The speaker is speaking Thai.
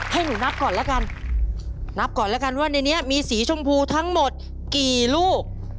ให้หนูนับก่อนแล้วกันนับก่อนแล้วกันว่าในนี้มีสีชมพูทั้งหมดกี่ลูก